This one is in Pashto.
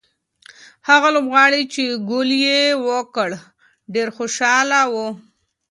هغه لوبغاړی چې ګول یې وکړ ډېر خوشاله و.